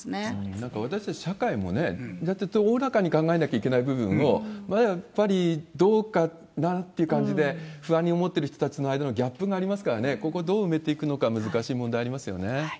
なんか私たち社会もね、おおらかに考えなきゃいけない部分を、やっぱりどうかな？っていう感じで、不安に思ってる人たちの間のギャップがありますから、ここをどう埋めていくのか、難しい問題ありますよね。